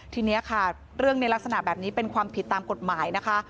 ทีนี้ค่ะเรื่องในลักษณะแบบนี้เป็นความผิดตามกฎหมายนะคะ